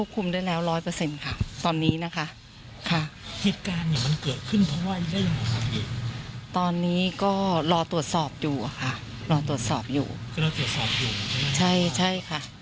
คือเราก็ไม่ต้องไปหาสาเหตุไปได้